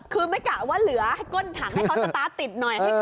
คือไม่กะว่าเหลือให้ก้นถังให้เขาสตาร์ทติดหน่อย